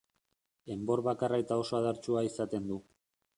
Enbor bakarra eta oso adartsua izaten du.